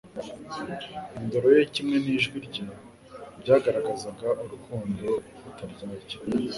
indoro ye kimwe n’ijwi rye byagaragazaga urukundo rutaryarya,